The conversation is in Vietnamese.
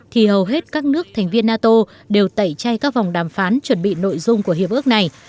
thì hầu hết các nước thành viên nato đều tẩy chay các vòng đàm phán chuẩn bị nội dung của hiệp ước này